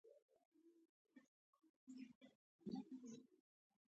وطن په موږ ټولو حق لري